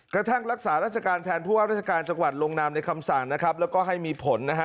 กระทั่งรักษาราชการแทนผู้ว่าราชการจังหวัดลงนามในคำสั่งนะครับแล้วก็ให้มีผลนะฮะ